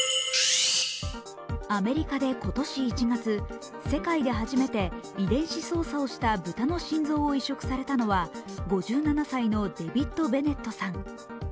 アメリカで今年１月、世界で初めて遺伝子操作をした豚の心臓を移植されたのは５７歳のデビッド・ベネットさん。